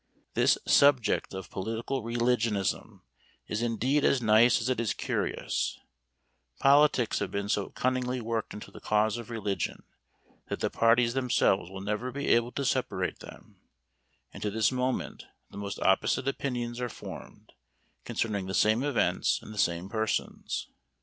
This subject of "Political Religionism" is indeed as nice as it is curious; politics have been so cunningly worked into the cause of religion, that the parties themselves will never be able to separate them; and to this moment the most opposite opinions are formed concerning the same events and the same persons.